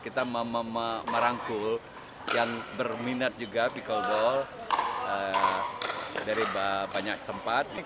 kita merangkul yang berminat juga pickleball dari banyak tempat